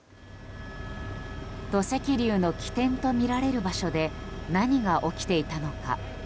土石流の起点とみられる場所で何が起きていたのか。